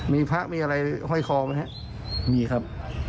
มีพระมีอะไรห้อยคอไหมครับ